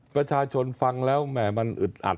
ประชาชนฟังแล้วแหม่มันอึดอัด